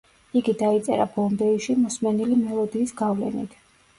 იგი დაიწერა ბომბეიში მოსმენილი მელოდიის გავლენით.